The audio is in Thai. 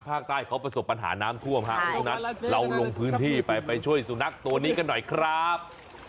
ภาคใต้เขาประสบปัญหาน้ำท่วมฮะเพราะฉะนั้นเราลงพื้นที่ไปไปช่วยสุนัขตัวนี้กันหน่อยครับ